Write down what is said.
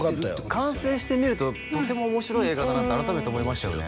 完成して見るととても面白い映画だなと改めて思いましたよね